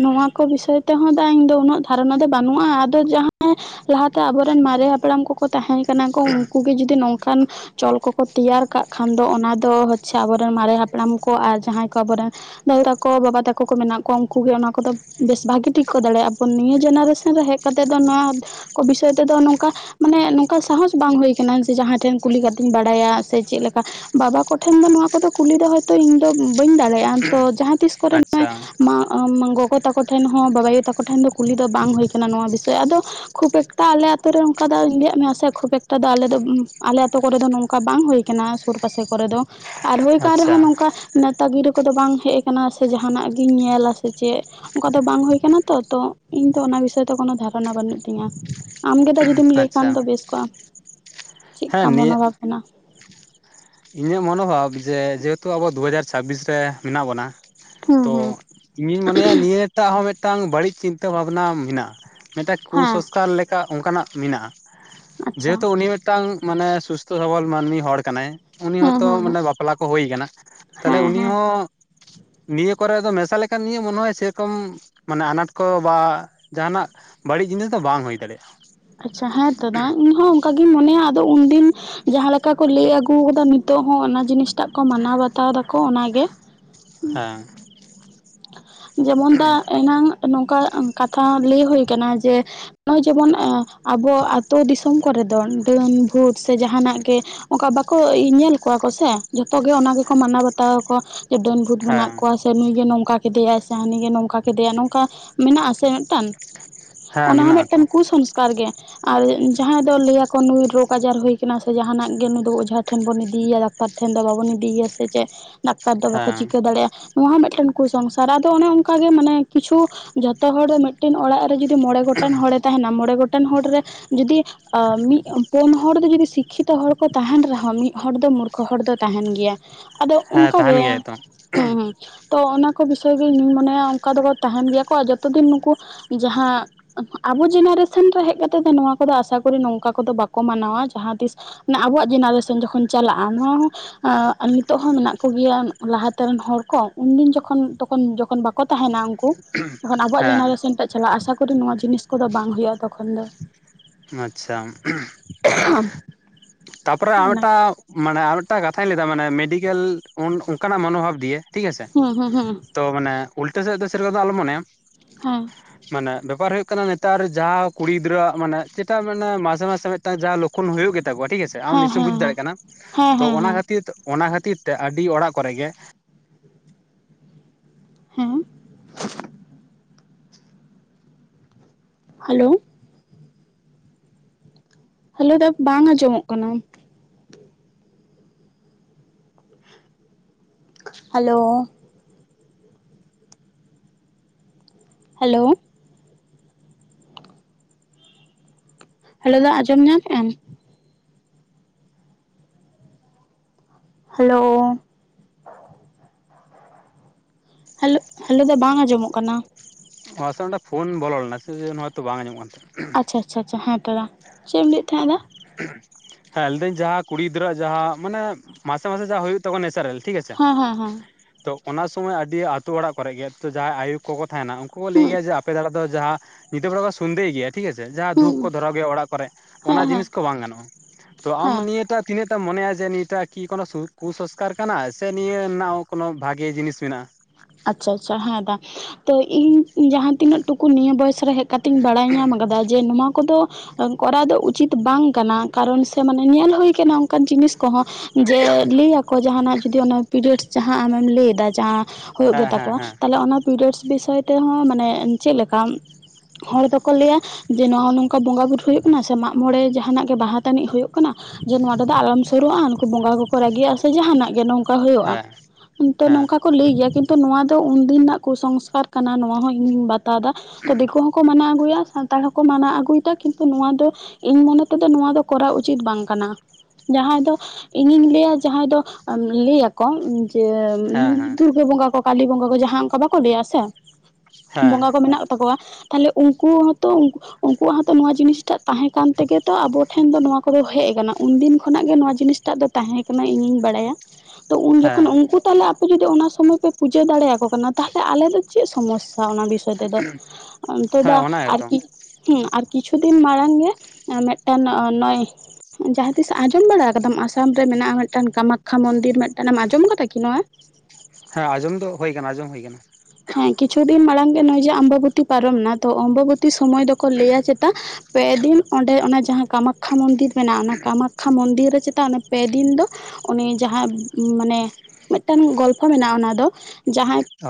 ᱱᱚᱣᱟ ᱠᱚ ᱵᱤᱥᱚᱭ ᱛᱮᱦᱚᱸ ᱫᱟ ᱤᱧ ᱫᱚ ᱩᱱᱟᱹᱜ ᱫᱷᱟᱨᱚᱱᱟ ᱫᱚ ᱵᱟᱹᱱᱩᱜᱼᱟ ᱟᱫᱚ ᱡᱟᱦᱟᱸ ᱞᱟᱦᱟᱛᱮ ᱟᱵᱚᱨᱮᱱ ᱢᱟᱨᱮ ᱦᱟᱯᱲᱟᱢ ᱠᱚᱠᱚ ᱛᱟᱦᱮᱸ ᱠᱟᱱᱟ ᱠᱚ ᱩᱱᱠᱩ ᱜᱮ ᱡᱩᱫᱤ ᱱᱚᱝᱠᱟᱱ ᱪᱚᱞ ᱠᱚᱠᱚ ᱛᱮᱭᱟᱨ ᱠᱟᱜ ᱠᱷᱟᱱ ᱫᱚ ᱚᱱᱟ ᱫᱚ ᱦᱚᱪᱪᱷᱮ ᱟᱵᱚ ᱨᱮᱱ ᱢᱟᱨᱮ ᱦᱟᱯᱲᱟᱢ ᱠᱚ ᱟᱨ ᱡᱟᱦᱟᱸᱭ ᱠᱚ ᱟᱵᱚ ᱨᱮᱱ ᱢᱟᱹᱭ ᱛᱟᱠᱚ ᱵᱟᱵᱟ ᱛᱟᱠᱚ ᱠᱚ ᱢᱮᱱᱟᱜ ᱠᱚ ᱩᱝᱠᱩ ᱜᱮ ᱚᱱᱟ ᱠᱚᱫᱚ ᱵᱮᱥ ᱵᱷᱟᱜᱤ ᱴᱷᱤᱠ ᱠᱚ ᱫᱟᱲᱮᱭᱟᱜᱼᱟ ᱟᱵᱚ ᱱᱤᱭᱟᱹ ᱡᱮᱱᱟᱨᱮᱥᱚᱱ ᱨᱮ ᱦᱮᱡ ᱠᱟᱛᱮ ᱫᱚ ᱱᱚᱣᱟ ᱠᱚ ᱵᱤᱥᱚᱭ ᱛᱮᱫᱚ ᱱᱚᱝᱠᱟ ᱢᱟᱱᱮ ᱱᱚᱝᱠᱟ ᱥᱟᱸᱦᱚᱥ ᱵᱟᱝ ᱦᱩᱭ ᱠᱟᱱᱟ ᱡᱮ ᱡᱟᱦᱟᱸᱭ ᱴᱷᱮᱱ ᱠᱩᱞᱤ ᱠᱟᱛᱤᱧ ᱵᱟᱲᱟᱭᱟ ᱥᱮ ᱪᱮᱫ ᱞᱮᱠᱟ ᱵᱟᱵᱟ ᱠᱚᱴᱷᱮᱱ ᱫᱚ ᱱᱚᱣᱟ ᱠᱚᱫᱚ ᱠᱩᱞᱤ ᱫᱚ ᱦᱚᱭᱛᱚ ᱤᱧ ᱫᱚ ᱵᱟᱹᱧ ᱫᱟᱲᱮᱭᱟᱜᱼᱟ ᱛᱚ ᱡᱟᱦᱟᱸ ᱛᱤᱥ ᱠᱚᱨᱮ ᱱᱚᱜᱼᱚᱭ ᱟᱪᱪᱷᱟ ᱢᱟ ᱜᱚᱜᱚ ᱛᱟᱠᱚ ᱴᱷᱮᱱ ᱦᱚᱸ ᱵᱟᱵᱟᱭᱩ ᱛᱟᱠᱚ ᱴᱷᱮᱱ ᱫᱚ ᱠᱩᱞᱤ ᱫᱚ ᱵᱟᱝ ᱦᱩᱭ ᱠᱟᱱᱟ ᱱᱚᱣᱟ ᱵᱤᱥᱚᱭ ᱟᱫᱚ ᱠᱷᱩᱵ ᱮᱠᱴᱟ ᱟᱞᱮ ᱟᱛᱳ ᱨᱮ ᱚᱱᱠᱟ ᱫᱚ ᱞᱟᱹᱭᱟᱜ ᱢᱮᱭᱟ ᱥᱮ ᱠᱷᱩᱵ ᱮᱠᱴᱟ ᱫᱚ ᱟᱞᱮ ᱟᱞᱮ ᱟᱛᱳ ᱠᱚᱨᱮ ᱫᱚ ᱱᱚᱝᱠᱟ ᱵᱟᱝ ᱦᱩᱭ ᱠᱟᱱᱟ ᱥᱩᱨ ᱯᱟᱥᱮᱠ ᱠᱚᱨᱮ ᱫᱚ ᱟᱨ ᱦᱩᱭ ᱠᱟᱱ ᱟᱪᱪᱷᱟ ᱨᱮᱦᱚᱸ ᱱᱚᱝᱠᱟ ᱱᱮᱣᱛᱟ ᱜᱤᱨᱟᱹ ᱠᱚᱫᱚ ᱵᱟᱝ ᱦᱮᱡ ᱠᱟᱱᱟ ᱥᱮ ᱡᱟᱸᱦᱟᱱᱟᱜ ᱤᱧ ᱧᱮᱞᱟ ᱥᱮ ᱪᱮᱫ ᱚᱱᱠᱟ ᱫᱚ ᱵᱟᱝ ᱦᱩᱭ ᱠᱟᱱᱟ ᱛᱚ ᱛᱚ ᱤᱧ ᱫᱚ ᱚᱱᱟ ᱵᱤᱥᱚᱭ ᱛᱮ ᱠᱳᱱᱳ ᱫᱷᱟᱨᱚᱱᱟ ᱵᱟᱹᱱᱩᱜ ᱛᱤᱧᱟᱹ ᱟᱢ ᱜᱮ ᱫᱟ ᱡᱩᱫᱤᱢ ᱞᱟᱹᱭ ᱠᱷᱟᱱ ᱟᱪᱪᱷᱟ ᱫᱚ ᱵᱮᱥ ᱠᱚᱜᱼᱟ ᱦᱮᱸ ᱪᱮᱫᱠᱟᱢ ᱢᱚᱱᱚ ᱱᱤᱭᱟᱹ ᱵᱷᱟᱵ ᱠᱟᱱᱟ ᱤᱧᱟᱹᱜ ᱢᱚᱱᱳᱵᱷᱟᱵᱽ ᱡᱮ ᱡᱮᱦᱮᱛᱩ ᱟᱵᱚ ᱫᱩ ᱦᱟᱡᱟᱨ ᱪᱷᱟᱵᱵᱤᱥ ᱨᱮ ᱢᱮᱱᱟᱜ ᱵᱚᱱᱟ ᱦᱩᱸ ᱛᱚ ᱦᱩᱸ ᱤᱧᱤᱧ ᱢᱚᱱᱮᱭᱟ ᱱᱤᱭᱟᱹ ᱴᱟᱜ ᱦᱚᱸ ᱢᱤᱫᱴᱟᱝ ᱵᱟᱹᱲᱤᱡ ᱪᱤᱱᱛᱟᱹ ᱵᱷᱟᱵᱱᱟ ᱢᱮᱱᱟᱜᱼᱟ ᱢᱤᱫᱴᱟᱡ ᱦᱮᱸ ᱠᱩ-ᱥᱚᱝᱥᱠᱟᱨ ᱞᱮᱠᱟ ᱚᱱᱠᱟᱱᱟᱜ ᱢᱮᱱᱟᱜᱼᱟ ᱟᱪᱪᱷᱟ ᱡᱮᱦᱮᱛᱩ ᱩᱱᱤ ᱦᱚᱸ ᱢᱤᱫᱴᱟᱝ ᱢᱟᱱᱮ ᱥᱩᱥᱛᱷᱚ ᱥᱚᱵᱚᱞ ᱢᱟᱹᱱᱢᱤ ᱦᱚᱲ ᱠᱟᱱᱟᱭ ᱩᱱᱤ ᱦᱩᱸ ᱦᱚᱸᱛᱚ ᱦᱩᱸ ᱦᱩᱸ ᱢᱟᱱᱮ ᱵᱟᱯᱞᱟ ᱠᱚ ᱦᱩᱭ ᱠᱟᱱᱟ ᱛᱟᱞᱦᱮ ᱦᱮᱸ ᱩᱱᱤ ᱦᱮᱸ ᱦᱚᱸ ᱱᱤᱭᱟᱹ ᱠᱚᱨᱮ ᱫᱚ ᱢᱮᱥᱟ ᱞᱮᱠᱷᱟᱱ ᱱᱤᱭᱟᱹ ᱢᱚᱱᱮ ᱦᱚᱭ ᱥᱮ ᱨᱚᱠᱚᱢ ᱢᱟᱱᱮ ᱟᱱᱟᱴ ᱠᱚ ᱵᱟ ᱡᱟᱸᱦᱟᱱᱟᱜ ᱵᱟᱹᱲᱤᱡ ᱡᱤᱱᱤᱥ ᱫᱚ ᱵᱟᱝ ᱦᱩᱭ ᱫᱟᱲᱮᱭᱟᱜᱼᱟ ᱟᱪᱪᱷᱟ ᱦᱮᱸ ᱛᱚ ᱫᱟ ᱤᱧᱦᱚᱸ ᱚᱱᱠᱟ ᱜᱤᱧ ᱢᱚᱱᱮᱭᱟ ᱟᱫᱚ ᱩᱱᱫᱤᱱ ᱡᱟᱦᱟᱸ ᱞᱮᱠᱟ ᱠᱚ ᱞᱟᱹᱭ ᱟᱹᱜᱩ ᱠᱟᱫᱟ ᱱᱤᱛᱚᱜ ᱦᱚᱸ ᱚᱱᱟ ᱡᱤᱱᱤᱥᱴᱟᱜ ᱠᱚ ᱢᱟᱱᱟᱣ ᱵᱟᱛᱟᱣ ᱫᱟᱠᱚ ᱚᱱᱟ ᱜᱮ ᱦᱮᱸ ᱡᱮᱢᱚᱱ ᱫᱟ ᱮᱱᱟᱝ ᱱᱚᱝᱠᱟ ᱠᱟᱛᱷᱟ ᱞᱟᱹᱭ ᱦᱩᱭ ᱠᱟᱱᱟ ᱡᱮ ᱱᱚᱜᱼᱚᱭ ᱡᱮᱢᱚᱱ ᱟᱵᱚ ᱟᱹᱛᱳ ᱫᱤᱥᱚᱢ ᱫᱤᱥᱚᱢ ᱠᱚᱨᱮ ᱫᱚ ᱰᱟᱹᱱ ᱵᱷᱩᱛ ᱥᱮ ᱡᱟᱸᱦᱟᱱᱟᱜ ᱜᱮ ᱚᱱᱠᱟ ᱵᱟᱠᱚ ᱧᱮᱞ ᱠᱚᱣᱟ ᱠᱚ ᱥᱮ ᱡᱷᱚᱛᱚ ᱜᱮ ᱚᱱᱟ ᱜᱮᱠᱚ ᱢᱟᱱᱟᱣ ᱵᱟᱛᱟᱣ ᱟᱠᱚ ᱡᱮ ᱰᱟᱹᱱ ᱵᱷᱩᱛ ᱦᱮᱸ ᱢᱮᱱᱟᱜ ᱠᱚᱣᱟ ᱥᱮ ᱱᱩᱭ ᱡᱮ ᱱᱚᱝᱠᱟ ᱱᱚᱝᱠᱟ ᱠᱮᱫᱮᱭᱟᱭ ᱥᱮ ᱦᱟᱱᱤ ᱜᱮ ᱱᱚᱝᱠᱟ ᱠᱮᱫᱮᱭᱟ ᱱᱚᱝᱠᱟ ᱢᱮᱱᱟᱜ ᱟᱥᱮ ᱢᱤᱫᱴᱟᱝ ᱦᱮᱸ ᱚᱱᱟ ᱦᱚᱸ ᱢᱮᱱᱟᱜᱼᱟ ᱛᱚ ᱢᱤᱫᱴᱮᱱ ᱠᱩ-ᱥᱚᱝᱥᱠᱟᱨ ᱜᱮ ᱟᱨ ᱡᱟᱦᱟᱸᱭ ᱫᱚ ᱞᱟᱹᱭᱟ ᱠᱚ ᱱᱩᱭ ᱨᱳᱜᱽ ᱟᱡᱟᱨ ᱦᱩᱭ ᱠᱟᱱᱟ ᱥᱮ ᱡᱟᱸᱦᱟᱱᱟᱜ ᱜᱮ ᱱᱩᱭ ᱫᱚ ᱳᱡᱷᱟ ᱴᱷᱮᱱ ᱵᱚᱱ ᱤᱫᱤᱭᱟ ᱭᱟ, ᱰᱟᱠ ᱰᱟᱠᱛᱟᱨ ᱴᱷᱮᱱ ᱫᱚ ᱵᱟᱵᱚᱱ ᱤᱫᱤᱭᱮᱭᱟ ᱥᱮ ᱪᱮᱫ ᱰᱟᱠᱛᱟᱨ ᱫᱚ ᱵᱟᱠᱚ ᱦᱮᱸ ᱪᱤᱠᱟᱹ ᱫᱟᱲᱮᱭᱟᱜᱼᱟ ᱱᱚᱣᱟ ᱦᱚᱸ ᱢᱤᱫᱴᱮᱱ ᱠᱩ-ᱥᱚᱝᱥᱟᱨ ᱟᱫᱚ ᱚᱱᱮ ᱚᱱᱠᱟ ᱜᱮ ᱢᱟᱱᱮ ᱠᱤᱪᱷᱩ ᱡᱷᱚᱛᱚ ᱦᱚᱲ ᱢᱤᱫᱴᱮᱱ ᱚᱲᱟᱜ ᱨᱮ ᱡᱩᱫᱤ ᱢᱚᱬᱮ ᱜᱚᱴᱟᱝ ᱦᱚᱲᱮ ᱛᱟᱸᱦᱮᱱᱟ ᱢᱚᱬᱮ ᱜᱚᱴᱮᱱ ᱦᱚᱲ ᱨᱮ ᱡᱩᱫᱤ ᱚ ᱢᱤᱫ ᱯᱳᱱ ᱦᱚᱲ ᱫᱚ ᱡᱩᱫᱤ ᱥᱤᱠᱠᱷᱤᱛᱚ ᱦᱚᱲ ᱠᱚ ᱛᱟᱸᱦᱮᱱ ᱨᱮᱦᱚᱸ ᱢᱤᱫ ᱦᱚᱲ ᱫᱚ ᱢᱩᱨᱠᱷᱚ ᱦᱚᱲ ᱫᱚ ᱛᱟᱸᱦᱮᱱ ᱜᱮᱭᱟ ᱟᱫᱚ ᱦᱮᱸ ᱚᱱᱠᱟ ᱛᱟᱦᱮᱱ ᱜᱮ ᱜᱮᱭᱟᱭ ᱛᱚ ᱦᱩᱸ ᱦᱩᱸ ᱛᱚ ᱚᱱᱟ ᱠᱚ ᱵᱤᱥᱚᱭ ᱜᱮ ᱤᱧᱤᱧ ᱢᱚᱱᱮᱭᱟ ᱚᱱᱠᱟ ᱫᱚᱠᱚ ᱛᱟᱸᱦᱮᱱ ᱜᱮᱭᱟ ᱠᱚ ᱡᱚᱛᱚ ᱫᱤᱱ ᱱᱩᱠᱩ ᱡᱟᱦᱟᱸ ᱟᱵᱚ ᱡᱮᱱᱟᱨᱮᱥᱚᱱ ᱨᱮ ᱦᱮᱡ ᱠᱟᱛᱮᱫ ᱫᱚ ᱱᱚᱣᱟ ᱠᱚᱫᱚ ᱟᱥᱟ ᱠᱚᱨᱤ ᱱᱚᱝᱠᱟ ᱠᱚᱫᱚ ᱵᱟᱠᱚ ᱢᱟᱱᱟᱣᱟ ᱡᱟᱦᱟᱸ ᱛᱤᱥ ᱢᱟᱱᱮ ᱟᱵᱚᱣᱟᱜ ᱡᱮᱱᱟᱨᱮᱥᱚᱱ ᱡᱚᱠᱷᱚᱱ ᱪᱟᱞᱟᱜᱼᱟ ᱱᱚᱣᱟ ᱦᱚᱸ ᱮᱸ ᱱᱤᱛᱚᱜ ᱦᱚᱸ ᱢᱮᱱᱟᱜ ᱠᱚ ᱜᱮᱭᱟ ᱞᱟᱦᱟᱛᱮᱱ ᱨᱤᱱ ᱦᱚᱲ ᱠᱚ ᱩᱱᱫᱤᱱ ᱡᱚᱠᱷᱚᱱ ᱛᱚᱠᱷᱚᱱ ᱡᱚᱠᱷᱚᱱ ᱵᱟᱠᱚ ᱛᱟᱦᱮᱱᱟ ᱩᱱᱠᱩ ᱛᱚᱠᱷᱚᱱ ᱟᱵᱚᱣᱟᱜ ᱦᱮᱸ ᱡᱮᱱᱟᱨᱮᱥᱚᱱ ᱴᱟᱜ ᱪᱟᱞᱟᱜ-ᱟ, ᱟᱥᱟ ᱠᱚᱨᱮ ᱱᱚᱣᱟ ᱡᱤᱱᱤᱥ ᱠᱚᱫᱚ ᱵᱟᱝ ᱦᱩᱭᱩᱜᱼᱟ ᱛᱚᱠᱷᱚᱱ ᱫᱚ ᱟᱪ ᱪᱷᱟ [unintelligible] ᱛᱟᱯᱚᱨᱮ ᱟᱨ ᱚᱱᱟ ᱢᱤᱫᱴᱟᱝ ᱢᱟᱱᱮ ᱟᱨ ᱢᱤᱫᱴᱟᱝ ᱠᱟᱛᱷᱟᱧ ᱞᱟᱹᱭᱟ ᱢᱟᱱᱮ ᱢᱮᱰᱤᱠᱟᱞ ᱩᱱ ᱚᱝᱠᱟᱱᱟᱜ ᱢᱚᱱᱳᱵᱷᱟᱵ ᱫᱤᱭᱮ ᱴᱷᱤᱠ ᱟᱪᱷᱮ ᱦᱩᱸ ᱦᱩᱸ ᱦᱩᱸ ᱛᱚ ᱢᱟᱱᱮ ᱩᱞᱴᱟᱹ ᱥᱮᱫ ᱫᱚ ᱥᱮᱨᱚᱠᱚᱢ ᱫᱚ ᱟᱞᱚᱢ ᱢᱚᱱᱮᱭᱟ ᱦᱮᱸ ᱢᱟᱱᱮ ᱵᱮᱯᱟᱨ ᱦᱩᱭᱩᱜ ᱠᱟᱱᱟ ᱱᱮᱛᱟᱨ ᱡᱟᱦᱟᱸ ᱠᱩᱲᱤ ᱜᱤᱫᱽᱨᱟᱹᱣᱟᱜ ᱢᱟᱱᱮ ᱡᱮᱴᱟ ᱢᱟᱱᱮ ᱢᱟᱥᱮ ᱢᱟᱥᱮ ᱛᱚ ᱡᱟᱦᱟᱸ ᱞᱚᱠᱷᱚᱱ ᱦᱩᱭᱩᱜ ᱜᱮ ᱛᱟᱠᱚᱣᱟ ᱴᱷᱤᱠ ᱟᱪ ᱪᱷᱮ ᱟᱢ ᱦᱮᱸ ᱱᱤᱥᱪᱚᱭᱮᱢ ᱦᱮᱸ ᱵᱩᱡᱽ ᱦᱮᱸ ᱫᱟᱲᱮᱭᱟᱜ ᱠᱟᱱᱟ ᱦᱮᱸ ᱛᱚ ᱦᱮᱸ ᱚᱱᱟ ᱦᱮᱸ ᱠᱷᱟᱹᱛᱤᱨ ᱚᱱᱟ ᱠᱷᱟᱹᱛᱤᱨ ᱛᱮ ᱟᱹᱰᱤ ᱚᱲᱟᱜ ᱠᱚᱨᱮ ᱜᱮ ᱦᱮᱸ ᱦᱟᱞᱚ ᱦᱟᱞᱚ ᱫᱟ ᱵᱟᱝ ᱟᱸᱡᱚᱢᱚᱜ ᱠᱟᱱᱟ ᱦᱟᱞᱚ ᱦᱟᱞᱚ ᱦᱮᱞᱳ ᱫᱟ ᱟᱸᱡᱚᱢ ᱧᱟᱢᱮᱜ-ᱟᱢ ᱦᱟᱞᱚ ᱦᱟᱞᱚ ᱦᱟᱞᱚ ᱫᱟ ᱵᱟᱝ ᱟᱸᱡᱚᱢᱚᱜ ᱠᱟᱱᱟ ᱚ ᱥᱮ ᱚᱸᱰᱮ ᱯᱷᱚᱱ ᱵᱚᱞᱚ ᱞᱮᱱᱟ ᱥᱮ ᱡᱚᱱ ᱱᱚᱴ ᱦᱚᱭᱛᱚ ᱵᱟᱝ ᱟᱸᱡᱚᱢᱚᱜ ᱠᱟᱱ ᱛᱟᱦᱮᱸᱫ ᱟᱪ ᱪᱷᱟ ᱟᱪ ᱪᱷᱟ ᱟᱪ ᱪᱷᱟ ᱦᱮᱸ ᱫᱟᱫᱟ ᱪᱮᱫ ᱮᱢ ᱞᱟᱹᱭᱮᱫ ᱛᱟᱦᱮᱸᱜ-ᱟ ᱫᱟ [unintelligible] ᱦᱮᱸ ᱞᱟᱹᱭᱫᱟᱹᱧ ᱡᱟᱦᱟᱸ ᱠᱩᱲᱤ ᱜᱤᱫᱽᱨᱟᱹ ᱟᱜ ᱡᱟᱦᱟᱸ ᱢᱟᱱᱮ ᱢᱟᱥᱮ ᱢᱟᱥᱮ ᱡᱟᱦᱟᱸ ᱦᱩᱭᱩᱜ ᱛᱚᱠᱷᱚᱱ ᱮᱥᱟᱨᱮᱞ ᱴᱷᱤᱠ ᱟᱪᱷᱮ, ᱦᱮᱸ ᱦᱮᱸ ᱦᱮᱸ ᱛᱚ ᱚᱱᱟ ᱥᱚᱢᱚᱭ ᱟᱹᱰᱤ ᱟᱹᱛᱩ ᱚᱲᱟᱜ ᱠᱚᱨᱮ ᱜᱮ ᱛᱚ ᱡᱟᱦᱟᱸ ᱟᱭᱩ ᱩᱱᱠᱩ ᱠᱚ ᱛᱟᱦᱮᱱᱟ ᱩᱱᱠᱩ ᱠᱚ ᱞᱟᱹᱭ ᱦᱩᱸ ᱜᱮᱭᱟ ᱡᱮ ᱟᱯᱮ ᱫᱟ ᱫᱚ ᱡᱟᱦᱟᱸ ᱧᱤᱫᱟᱹ ᱵᱮᱲᱟ ᱫᱚ ᱥᱚᱱᱫᱮᱭ ᱜᱮᱭᱟ ᱴᱷᱤᱠ ᱟᱪᱷᱮ ᱡᱟᱦᱟᱸ ᱫᱷᱩᱯ ᱦᱩᱸ ᱠᱚ ᱫᱷᱚᱨᱟᱣ ᱜᱮᱭᱟ ᱚᱲᱟᱜ ᱠᱚᱨᱮ ᱦᱮᱸ ᱚᱱᱟ ᱦᱮᱸ ᱡᱤᱱᱤᱥ ᱠᱚ ᱵᱟᱝ ᱜᱟᱱᱚᱜᱼᱟ ᱛᱚ ᱟᱢ ᱦᱮᱸ ᱱᱤ ᱱᱤᱭᱟᱹᱴᱟᱜ ᱛᱤᱱᱟᱹᱜ ᱴᱟᱢ ᱢᱚᱱᱮᱭᱟ ᱡᱮ ᱱᱤᱭᱟᱹᱴᱟᱜ ᱠᱤ ᱠᱚᱱ ᱠᱩᱥᱚᱝᱥᱠᱟᱨ ᱠᱟᱱᱟ ᱥᱮ ᱱᱤᱭᱟᱹ ᱨᱮᱱᱟᱜ ᱦᱚᱸ ᱠᱚᱱᱚ ᱵᱷᱟᱜᱮ ᱡᱤᱱᱤᱥ ᱢᱮᱱᱟᱜᱼᱟ ᱟᱪ ᱪᱷᱟ ᱟᱪ ᱪᱷᱟ ᱦᱮᱸ ᱫᱟ ᱛᱚ ᱤᱧ ᱡᱟᱦᱟᱸ ᱛᱤᱱᱟᱹᱜ ᱴᱩᱠᱩᱱ ᱱᱤᱭᱟᱹ ᱵᱚᱭᱮᱥ ᱨᱮ ᱦᱮᱡ ᱠᱟᱛᱤᱧ ᱵᱟᱰᱟᱭ ᱧᱟᱢ ᱟᱠᱟᱫᱟ ᱡᱮ ᱱᱚᱣᱟ ᱠᱚᱫᱚ ᱠᱚᱨᱟᱣ ᱫᱚ ᱩᱪᱤᱛ ᱵᱟᱝ ᱠᱟᱱᱟ ᱠᱟᱨᱚᱱ ᱥᱮ ᱢᱟᱱᱮ ᱧᱮᱞ ᱦᱩᱭ ᱠᱟᱱᱟ ᱚᱱᱠᱟᱱ ᱡᱤᱱᱤᱥ ᱠᱚᱦᱚᱸ ᱡᱮ ᱞᱟᱹᱭᱟ ᱠᱚ ᱡᱟᱦᱱᱟᱜ ᱡᱩᱫᱤ ᱚᱱᱟ ᱯᱤᱨᱤᱭᱚᱰ ᱡᱟᱦᱟᱸ ᱟᱢᱮᱢ ᱞᱟᱹᱭᱮᱫᱟ ᱡᱟᱦᱟᱸ ᱦᱩᱭᱩᱜ ᱜᱮ ᱦᱮᱸ ᱦᱮᱸ ᱛᱟᱠᱚᱣᱟ ᱦᱮᱸ ᱛᱟᱞᱦᱮ ᱚᱱᱟ ᱯᱤᱨᱤᱭᱳᱰᱥ ᱵᱤᱥᱚᱭ ᱛᱮᱦᱚᱸ ᱢᱟᱱᱮ ᱪᱮᱫ ᱞᱮᱠᱟ ᱦᱚᱲ ᱫᱚᱠᱚ ᱞᱟᱹᱭᱟ ᱡᱮ ᱱᱚᱜᱼ ᱱᱚᱝᱠᱟ ᱵᱚᱸᱜᱟ ᱵᱩᱨᱩ ᱦᱩᱭᱩᱜ ᱠᱟᱱᱟ ᱥᱮ ᱢᱟᱜ ᱢᱚᱬᱮ ᱡᱟᱦᱟᱱᱟᱜ ᱜᱮ ᱵᱟᱦᱟ ᱛᱟᱱᱤᱡ ᱦᱩᱭᱩᱜ ᱠᱟᱱᱟ ᱡᱮ ᱱᱚᱣᱟ ᱴᱟᱜ ᱫᱚ ᱟᱞᱚᱢ ᱥᱩᱨᱩᱜᱼᱟ ᱱᱩᱠᱩ ᱵᱚᱸᱜᱟ ᱠᱚᱠᱚ ᱨᱟᱹᱜᱤᱜᱼᱟ ᱥᱮ ᱡᱟᱦᱟᱱᱟᱜ ᱜᱮ ᱱᱚᱝᱠᱟ ᱚᱱᱠᱟ ᱦᱩᱭᱩᱜᱼᱟ ᱦᱮᱸ ᱛᱚ ᱦᱮᱸ ᱱᱚᱝᱠᱟ ᱠᱚ ᱞᱟᱹᱭ ᱜᱮᱭᱟ ᱠᱤᱱᱛᱩ ᱱᱚᱣᱟ ᱫᱚ ᱩᱱᱫᱤᱱ ᱨᱮᱱᱟᱜ ᱠᱩ ᱥᱚᱝᱥᱠᱟᱨ ᱠᱟᱱᱟ ᱱᱚᱣᱟ ᱦᱚᱸ ᱤᱧᱤᱧ ᱵᱟᱛᱟᱣ ᱮᱫᱟ ᱛᱚ ᱫᱤᱠᱩ ᱦᱚᱸᱛᱚ ᱠᱚ ᱢᱟᱱᱟᱣ ᱟᱹᱜᱩᱭᱟ ᱥᱟᱱᱛᱟᱲ ᱦᱚᱸᱠᱚ ᱢᱟᱱᱟᱣ ᱟᱹᱜᱩᱭᱮᱫᱟ ᱠᱤᱱᱛᱩ ᱱᱚᱣᱟ ᱫᱚ ᱤᱧ ᱢᱚᱱᱮ ᱛᱮᱫᱚ ᱱᱚᱣᱟ ᱫᱚ ᱠᱚᱨᱟᱣ ᱩᱪᱤᱛ ᱵᱟᱝ ᱠᱟᱱᱟ ᱡᱟᱦᱟᱸᱭ ᱫᱚ ᱤᱧᱤᱧ ᱞᱟᱹᱭᱟ ᱡᱟᱦᱟᱸᱭ ᱫᱚ ᱞᱟᱹᱭᱟ ᱠᱚ ᱡᱮ ᱦᱮᱸ ᱦᱮᱸ ᱫᱩᱨᱜᱟᱹ ᱵᱚᱸᱜᱟ ᱠᱚ ᱠᱟᱞᱤ ᱵᱚᱸᱜᱟ ᱠᱚ ᱡᱟᱦᱟᱸ ᱚᱱᱠᱟ ᱵᱟᱠᱚ ᱞᱟᱹᱭᱟ ᱥᱮ ᱦᱮᱸ ᱵᱚᱸᱜᱟ ᱠᱚ ᱢᱮᱱᱟᱜ ᱛᱟᱠᱚᱣᱟ ᱛᱟᱞᱦᱮ ᱩᱝᱠᱩ ᱦᱚᱸᱛᱚ ᱩᱝᱠᱩ ᱩᱱᱠᱩᱣᱟᱜ ᱦᱚᱸᱛᱚ ᱱᱚᱣᱟ ᱡᱤᱱᱤᱥᱴᱟᱜ ᱛᱟᱦᱮᱸ ᱠᱟᱱ ᱛᱮᱜ ᱛᱚ ᱟᱵᱚ ᱴᱷᱮᱱ ᱫᱚ ᱱᱚᱣᱟ ᱠᱚᱫᱚ ᱦᱮᱡ ᱟᱠᱟᱱᱟ ᱩᱱᱫᱤᱱ ᱠᱷᱚᱱᱟᱜ ᱜᱮ ᱱᱚᱣᱟ ᱡᱤᱱᱤᱥ ᱮᱴᱟᱜ ᱫᱚ ᱛᱟᱦᱮᱸ ᱠᱟᱱᱟ ᱤᱧᱤᱧ ᱵᱟᱰᱟᱭᱟ ᱛᱚ ᱩᱱ ᱡᱚᱠᱷᱚᱱ ᱦᱮᱸ ᱩᱝᱠᱩ ᱛᱟᱦᱮᱞᱮ ᱟᱯᱮ ᱡᱩᱫᱤ ᱚᱱᱟ ᱥᱚᱢᱚᱭ ᱯᱮ ᱯᱩᱡᱟᱹ ᱫᱟᱲᱮᱭᱟᱠᱚ ᱠᱟᱱᱟ ᱛᱟᱦᱮᱞᱮ ᱟᱞᱮ ᱫᱚ ᱪᱮᱫ ᱥᱚᱢᱚᱥ ᱥᱟ ᱚᱱᱟ ᱵᱤᱥᱚᱭ ᱛᱮᱫᱚ ᱚᱱᱛᱮ ᱫᱟ ᱦᱮᱸ ᱚᱱᱟ ᱜᱮᱛᱚ ᱟᱨᱠᱤ ᱦᱩᱸ ᱟᱨ ᱠᱤᱪᱷᱩ ᱫᱤᱱ ᱢᱟᱲᱟᱝ ᱜᱮ ᱢᱮᱫᱴᱟᱝ ᱱᱚᱜ-ᱚᱭ ᱡᱟᱦᱟᱸ ᱛᱤᱥ ᱟᱸᱡᱚᱢ ᱵᱟᱲᱟ ᱟᱠᱟᱫᱟᱢ ᱟᱥᱟᱢ ᱨᱮ ᱢᱮᱱᱟᱜᱼᱟ ᱢᱤᱫᱴᱟᱝ ᱠᱟᱢᱟᱠ ᱠᱷᱟ ᱢᱚᱱᱫᱤᱨ ᱢᱤᱫᱴᱟᱝ ᱮᱢ ᱟᱸᱡᱚᱢ ᱟᱠᱟᱫᱟ ᱠᱤ ᱱᱚᱣᱟ ᱦᱮᱸ ᱟᱸᱡᱚᱢ ᱫᱚ ᱦᱩᱭ ᱠᱟᱱᱟ ᱟᱸᱡᱚᱢ ᱦᱩᱭ ᱠᱟᱱᱟ ᱦᱮᱸ ᱠᱤᱪᱷᱩ ᱫᱤᱱ ᱢᱟᱲᱟᱝ ᱜᱮ ᱱᱚᱜ-ᱚᱭ ᱡᱮ ᱟᱢᱵᱚᱵᱚᱛᱤ ᱯᱟᱨᱚᱢ ᱮᱱᱟ ᱛᱚ ᱚᱢᱵᱚ ᱵᱚᱛᱤ ᱥᱚᱢᱚᱭ ᱫᱚᱠᱚ ᱞᱟᱹᱭᱟ ᱪᱮᱛᱟ ᱯᱮ ᱫᱤᱱ ᱚᱸᱰᱮ ᱚᱱᱟ ᱡᱟᱦᱟᱸ ᱠᱟᱢᱟᱠᱠᱷᱟ ᱢᱚᱱᱫᱤᱨ ᱢᱮᱱᱟᱜᱼᱟ ᱚᱱᱟ ᱠᱟᱢᱟᱠᱠᱷᱟ ᱢᱚᱱᱫᱤᱨ ᱨᱮ ᱪᱮᱛᱟ ᱚᱱᱟ ᱯᱮ ᱫᱤᱱ ᱫᱚ ᱚᱱᱮ ᱡᱟᱦᱟᱸ ᱢᱟᱱᱮ ᱢᱤᱫᱴᱟᱝ ᱜᱚᱞᱯᱷᱚ ᱢᱮᱱᱟᱜᱼᱟ ᱚᱱᱟ ᱫᱚ ᱡᱟᱦᱟᱸᱭ